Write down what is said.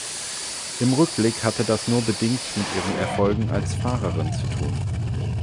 Im Rückblick hatte das nur bedingt mit ihren Erfolgen als Fahrerin zu tun.